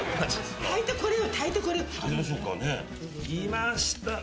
いました！